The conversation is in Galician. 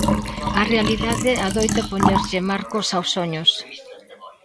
A realidade adoita poñerlle marcos aos soños.